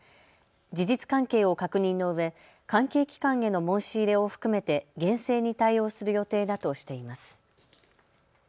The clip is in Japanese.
事実関係を確認のうえ関係機関への申し入れを含めて厳正に対応する予定だとしています。